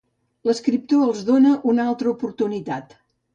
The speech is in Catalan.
L'escriptor els dóna una altra oportunitat.